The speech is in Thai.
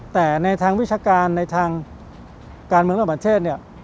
แต่ในทางวิชาการในทางการเมืองระหว่างประเทศเนี่ย